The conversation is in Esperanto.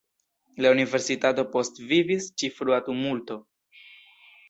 La Universitato postvivis ĉi frua tumulto.